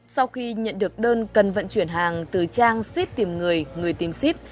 sau khi nhận được đơn cần vận chuyển hàng từ trang ship tìm người người tìm ship